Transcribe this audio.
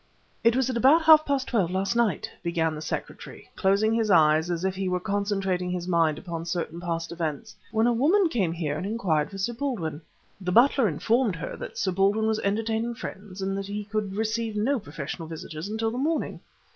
"It was about half past twelve last night," began the secretary, closing his eyes as if he were concentrating his mind upon certain past events, "when a woman came here and inquired for Sir Baldwin. The butler informed her that Sir Baldwin was entertaining friends and that he could receive no professional visitors until the morning.